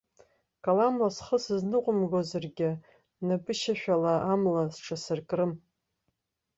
Каламла схы сызныҟәымгаргьы, напышьашәала амла сҽасыркрым.